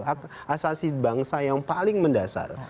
hak asasi bangsa yang paling mendasar